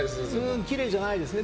きれいじゃないですね。